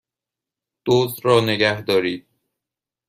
دزد را نگهدارید!